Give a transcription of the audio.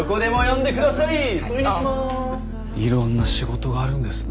いろんな仕事があるんですね。